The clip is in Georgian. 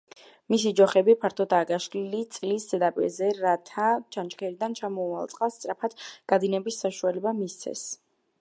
მისი ჯოხები ფართოდაა გაშლილი წლის ზედაპირზე რათა ჩანჩქერიდან ჩამომავალ წყალს სწრაფად გადინების საშუალება მისცეს.